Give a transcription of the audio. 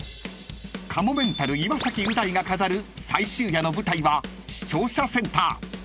［かもめんたる岩崎う大が飾る最終夜の舞台は視聴者センター］